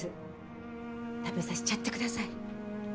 食べさしちゃってください。